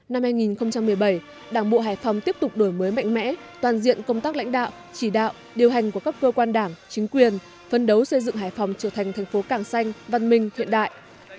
năm hai nghìn một mươi bảy đảng bộ hải phòng tiếp tục đổi mới mạnh mẽ toàn diện công tác lãnh đạo chỉ đạo điều hành của các cơ quan đảng chính quyền phân đấu xây dựng hải phòng trở thành thành phố càng xanh văn minh hiện đại